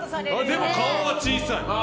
でも顔は小さい。